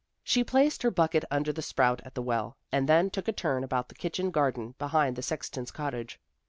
She placed her bucket under the spout at the well, and then took a turn about the kitchen garden behind the sexton's cottage.